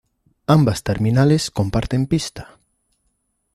Ambas terminales comparten pista.